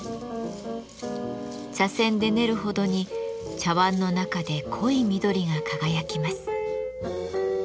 茶せんで練るほどに茶わんの中で濃い緑が輝きます。